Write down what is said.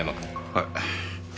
はい。